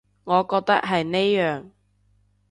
我覺得係呢樣